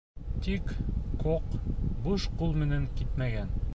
Тик кок буш ҡул менән китмәгән.